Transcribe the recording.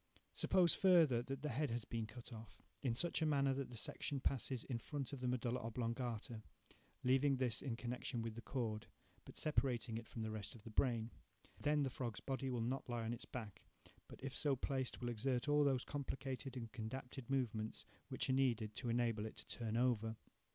Suppose, further, that the head has been cut off, in such a manner, that the section passes in front of the medulla oblongata, leaving this in connection with the cord, but separating it from the rest of the brain. Then the frog's body will not lie on its back, but if so placed will exert all those complicated and condapted movements which are needed to enable it to turn over.